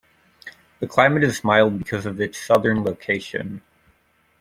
The climate is mild because of its southern location.